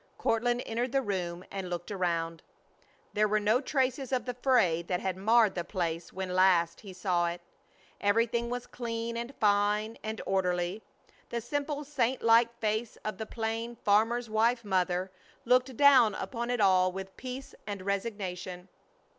Courtland entered the room and looked around. There were no traces of the fray that had marred the place when last he saw it. Everything was clean and fine and orderly. The simple saint like face of the plain farmer's wife mother looked down upon it all with peace and resignation.